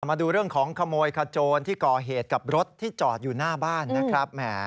มาดูเรื่องของขโมยขโจรที่ก่อเหตุกับรถที่จอดอยู่หน้าบ้านนะครับ